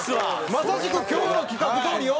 まさしく今日の企画どおりよ。